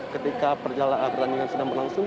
ketika pertandingan sedang berlangsung